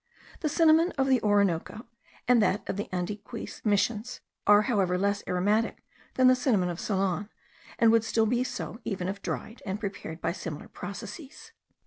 The cinnamon of the Orinoco, and that of the Andaquies missions, are, however, less aromatic than the cinnamon of Ceylon, and would still be so even if dried and prepared by similar processes.